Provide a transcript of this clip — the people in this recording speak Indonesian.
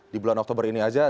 di bulan oktober ini aja